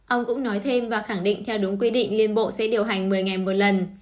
ông cũng nói thêm và khẳng định theo đúng quy định liên bộ sẽ điều hành một mươi ngày một lần